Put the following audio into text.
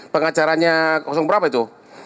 pengacaranya berapa itu